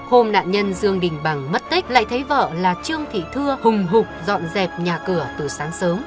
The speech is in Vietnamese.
hôm nạn nhân dương đình bằng mất tích lại thấy vợ là trương thị thưa hùng dọn dẹp nhà cửa từ sáng sớm